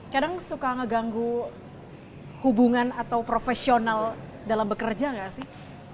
kadang suka ngeganggu hubungan atau profesional dalam bekerja gak sih